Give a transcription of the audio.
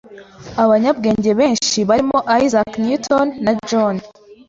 Abanyabwenge benshi barimo Isaac Newton na John